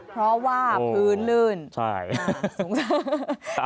เพราะว่าพื้นลื่นสงสัยโอ้โฮใช่